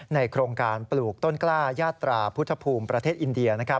โครงการปลูกต้นกล้ายาตราพุทธภูมิประเทศอินเดีย